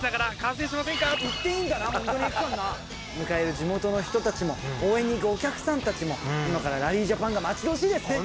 迎える地元の人たちも応援に行くお客さんたちも今からラリージャパンが待ち遠しいですね。